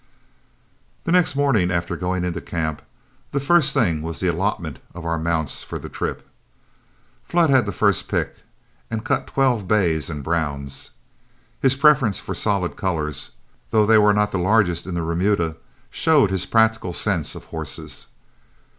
The next morning after going into camp, the first thing was the allotment of our mounts for the trip. Flood had the first pick, and cut twelve bays and browns. His preference for solid colors, though they were not the largest in the remuda, showed his practical sense of horses.